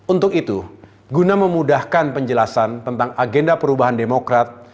untuk itu guna memudahkan penjelasan tentang agenda perubahan demokrat